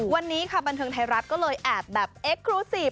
วันนี้ค่ะบันเทิงไทยรัฐก็เลยแอบแบบเอ็กครูซีฟ